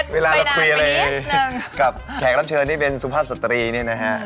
เวลาเราคุยอะไรกับแขกรับเชิญที่เป็นสุภาพสตรีเนี่ยนะฮะ